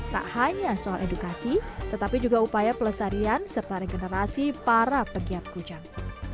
tak hanya soal edukasi tetapi juga upaya pelestarian serta regenerasi para pegiat kujang